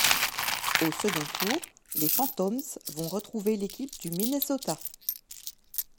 Au second tour, les Phantoms vont retrouver l'équipe du Minnesota.